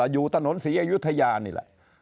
อยู่ถนนศรีอยุธยานี่แหละ